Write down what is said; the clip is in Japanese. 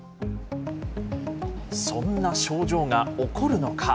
そんな症状が起こるのか。